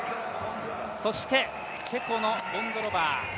そしてチェコのボンドロバー。